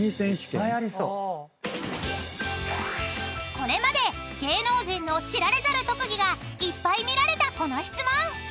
［これまで芸能人の知られざる特技がいっぱい見られたこの質問］